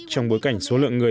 trong bối cảnh số lượng người